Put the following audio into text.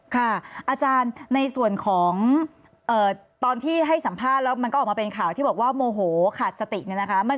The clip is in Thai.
อาจารย์ในส่วนของตอนที่ให้สัมภาษณ์แล้วมันก็ออกมาเป็นข่าวที่บอกว่าโมโหขาดสติเนี่ยนะคะ